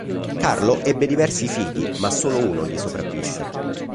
Carlo ebbe diversi figli, ma solo uno gli sopravvisse.